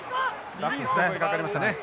リリースの声がかかりましたね。